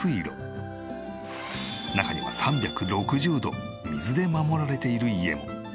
中には３６０度水で守られている家も。